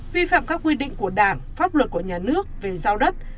vi phạm các quy định của đảng pháp luật của nhà nước về giao đất